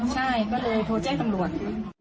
ใช่ก็เลยโทรแจ้งตำรวจ